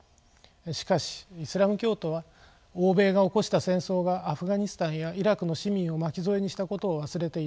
しかしイスラム教徒は欧米が起こした戦争がアフガニスタンやイラクの市民を巻き添えにしたことを忘れていません。